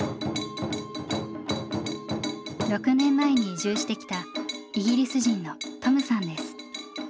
６年前に移住してきたイギリス人のトムさんです。